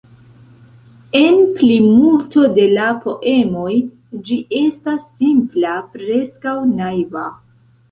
En plimulto de la poemoj ĝi estas simpla, preskaŭ naiva.